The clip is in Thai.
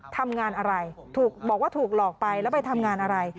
ทำงานอะไรถูกบอกว่าถูกหลอกไปแล้วไปทำงานอะไร